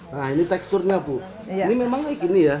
nah ini teksturnya bu ini memang ini ya